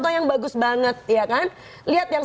lainnya enggak enggak enggak enggak